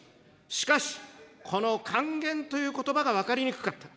しかし、この還元ということばが分かりにくかった。